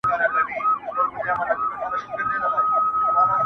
• اشرف المخلوقات یم ما مېږی وژلی نه دی,